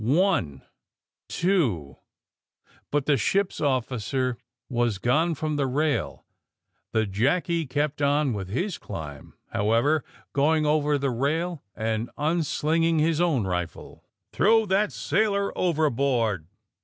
*^One, two '* But the ship's officer was gone from the rail. The Jackie kept on with his climb, however, going over the rail and nnslinging his own rifle. *^ Throw that sailor overboard!''